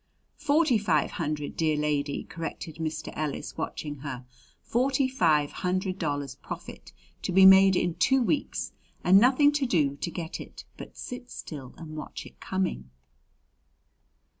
"Forty five hundred, dear lady," corrected Mr. Ellis, watching her. "Forty five hundred dollars profit to be made in two weeks, and nothing to do to get it but sit still and watch it coming!"